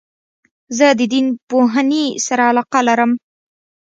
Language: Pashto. زه د دین پوهني سره علاقه لرم.